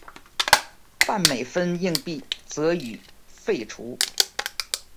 半美分硬币则予废除。